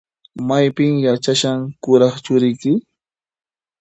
Maypin yachashan kuraq churiyki?